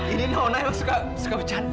ini nona emang suka bercanda